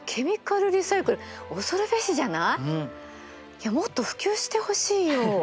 いやもっと普及してほしいよ。